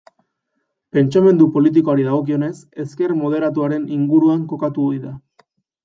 Pentsamendu politikoari dagokionez, ezker moderatuaren inguruan kokatu ohi da.